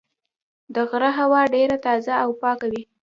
د غره هوا ډېره تازه او پاکه وي.